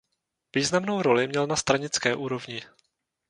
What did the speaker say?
Významnou roli měl na stranické úrovni.